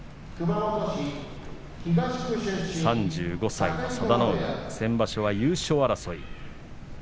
３５歳の佐田の海先場所は優勝争い。